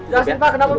jelasin pak kenapa pak